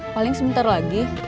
paling sebentar lagi